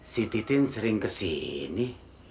si titin sering kesini